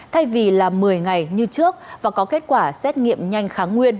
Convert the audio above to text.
thay vì là một mươi ngày như trước và có kết quả xét nghiệm nhanh kháng nguyên